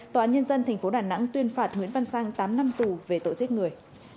tòa án nhân dân tp đà nẵng tuyên phạt nguyễn văn sang tám năm tù về tội giết người